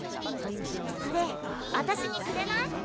それあたしにくれない？